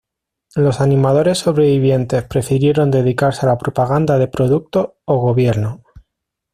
Los animadores sobrevivientes prefirieron dedicarse a la propaganda de productos o gobierno.